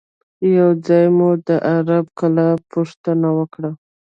یو ځای مو د عرب کلا پوښتنه وکړه.